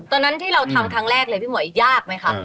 ตอนนั้นที่เราทำครั้งแรกเลยพี่หมวยยากไหมคะ